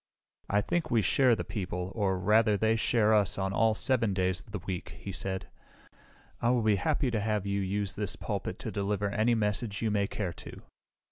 "I think we share the people, or, rather, they share us on all 7 days of the week," he said. "I will be happy to have you use this pulpit to deliver any message you may care to."